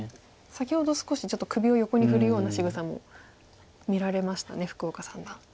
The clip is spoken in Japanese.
先ほど少しちょっと首を横に振るようなしぐさも見られましたね福岡三段。